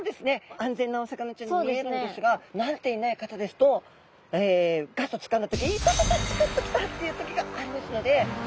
安全なお魚ちゃんに見えるんですが慣れていない方ですとガッとつかんだ時イタタタチクッときた！っていう時がありますのではい。